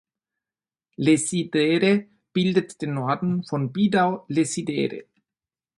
Lecidere bildet den Norden von Bidau Lecidere.